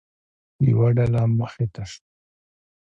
یوه ډله مخې ته شوه.